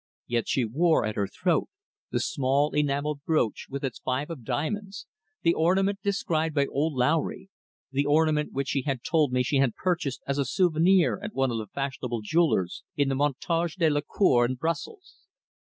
Yet she wore at her throat the small enamelled brooch with its five of diamonds, the ornament described by old Lowry, the ornament which she had told me she had purchased as a souvenir at one of the fashionable jewellers in the Montagne de la Cour in Brussels.